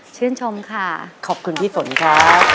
ชื่นชมค่ะขอบคุณพี่ฝนครับ